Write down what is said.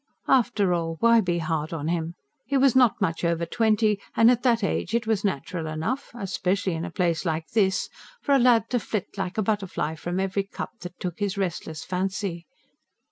After all, why be hard on him? He was not much over twenty, and, at that age, it was natural enough especially in a place like this for a lad to flit like a butterfly from every cup that took his restless fancy.